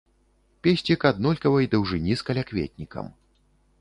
Песцік аднолькавай даўжыні з калякветнікам.